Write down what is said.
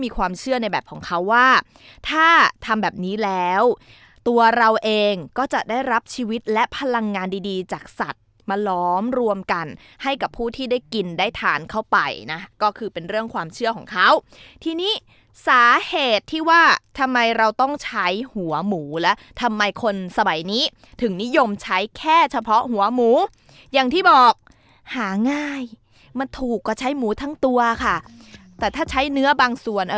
ความเชื่อในแบบของเขาว่าถ้าทำแบบนี้แล้วตัวเราเองก็จะได้รับชีวิตและพลังงานดีดีจากสัตว์มาล้อมรวมกันให้กับผู้ที่ได้กินได้ทานเข้าไปนะก็คือเป็นเรื่องความเชื่อของเขาทีนี้สาเหตุที่ว่าทำไมเราต้องใช้หัวหมูและทำไมคนสมัยนี้ถึงนิยมใช้แค่เฉพาะหัวหมูอย่างที่บอกหาง่ายมันถูกก็ใช้หมูทั้งตัวค่ะแต่ถ้าใช้เนื้อบางส่วน